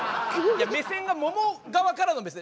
目線が桃側からの目線。